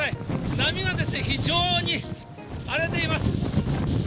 波が非常に荒れています。